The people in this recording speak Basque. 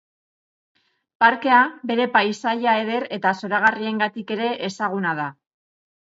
Parkea bere paisaia eder eta zoragarriarengatik ere ezaguna da.